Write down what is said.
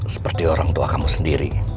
seperti orang tua kamu sendiri